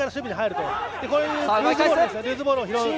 こういうルーズボールを拾う。